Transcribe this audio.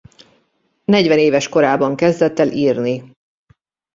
Negyvenéves korában kezdett el írni.